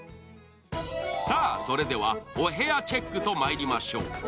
さあ、それでは、お部屋チェックとまいりましょう。